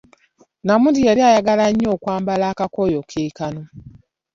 Namuli yayagala nga nnyo okwambala akakooyo ke kano.